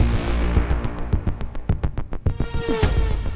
smoker bisa deh